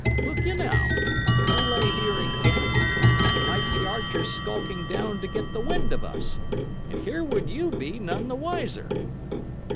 Look you, now, if we lay here in camp, there might be archers skulking down to get the wind of us; and here would you be, none the wiser!"